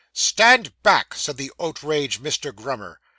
'Stand back!' said the outraged Mr. Grummer.